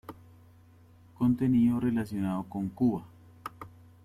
Contenido relacionado con Cuba.